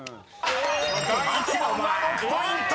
［第１問は６ポイント！］